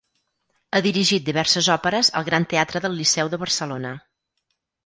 Ha dirigit diverses òperes al Gran Teatre del Liceu de Barcelona.